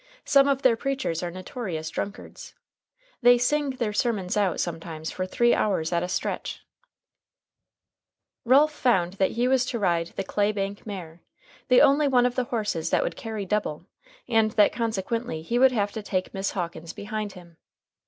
Some of their preachers are notorious drunkards. They sing their sermons out sometimes for three hours at a stretch. Ralph found that he was to ride the "clay bank mare," the only one of the horses that would "carry double," and that consequently he would have to take Miss Hawkins behind him.